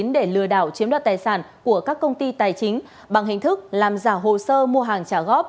để lừa đảo chiếm đoạt tài sản của các công ty tài chính bằng hình thức làm giả hồ sơ mua hàng trả góp